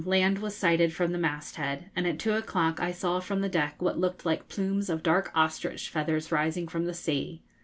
land was sighted from the mast head, and at two o'clock I saw from the deck what looked like plumes of dark ostrich feathers rising from the sea.